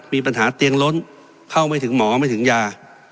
มีปัญหาเตียงล้นเข้าไม่ถึงหมอไม่ถึงยา